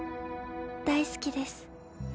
大好きです。